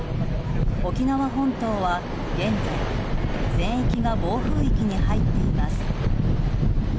沖縄本島は現在、全域が暴風域に入っています。